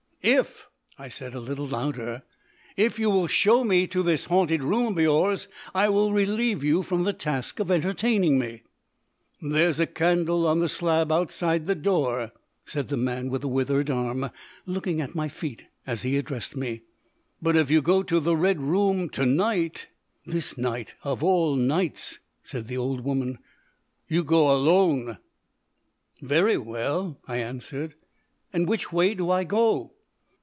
"If," I said a little louder, "if you will show me to this haunted room of yours, I will relieve you from the task of entertaining me." "There's a candle on the slab outside the door," said the man with the withered arm, looking at my feet as he addressed me. "But if you go to the red room to night" ("This night of all nights!" said the old woman.) "You go alone." "Very well," I answered. "And which way do I go?"